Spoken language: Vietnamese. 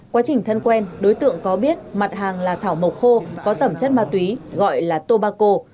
quá trình thân quen đối tượng có biết mặt hàng là thảo mộc khô có tẩm chất ma túy gọi là tobacco